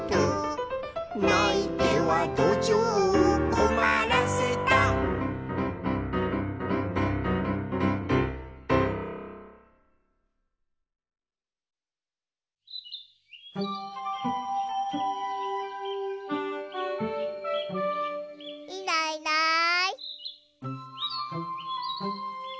「ないてはどじょうをこまらせた」いないいない。